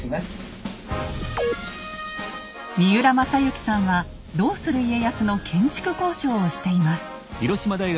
三浦正幸さんは「どうする家康」の建築考証をしています。